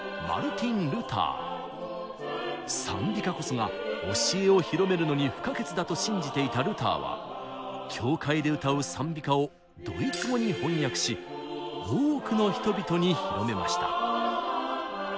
賛美歌こそが教えを広めるのに不可欠だと信じていたルターは教会で歌う賛美歌をドイツ語に翻訳し多くの人々に広めました。